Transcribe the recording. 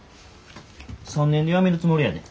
３年で辞めるつもりやで。